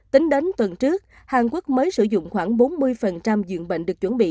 tính đến tuần trước hàn quốc mới sử dụng khoảng bốn mươi diện bệnh được chuẩn bị